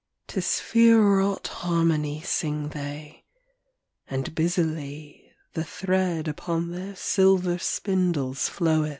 To sphere wrought harmony Sing they, and busily The thread upon their silver spindles floweth.